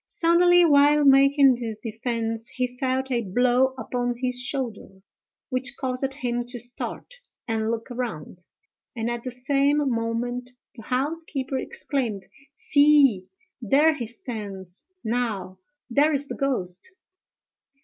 Suddenly, while making this defence, he felt a blow upon his shoulder, which caused him to start and look round, and at the same moment the housekeeper exclaimed: "See! there he stands, now—there is the ghost!"